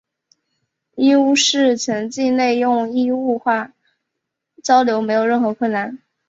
义乌市全境内用义乌话交流没有任何困难。